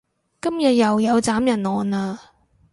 今日又有斬人案喇